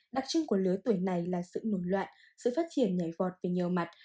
đặc trưng của lứa tuổi này là sự nguồn loạn sự phát triển nhảy gọt về nhiều mặt